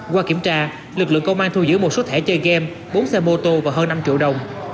qua kiểm tra lực lượng công an thu giữ một số thể chơi game bốn xe mô tô và hơn năm triệu đồng